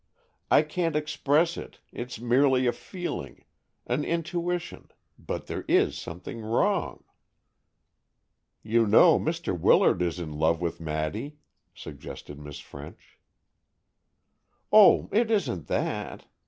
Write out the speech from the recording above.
I can't express it—it's merely a feeling,—an intuition, but there is something wrong." "You know Mr. Willard is in love with Maddy," suggested Miss French. "Oh, it isn't that.